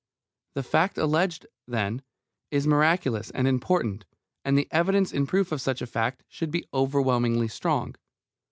The fact alleged, then, is miraculous and important, and the evidence in proof of such a fact should be overwhelmingly strong.